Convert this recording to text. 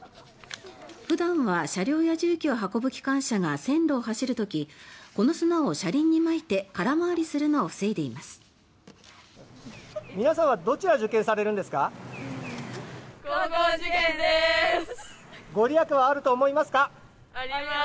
普段は、車両や重機を運ぶ機関車が線路を走る時この砂を車輪にまいて空回りするのを防いでいます。